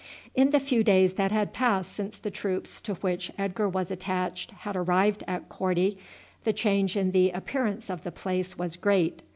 In the few days that had passed since the troops to which Edgar was attached had arrived at Korti the change in the appearance of the place was great.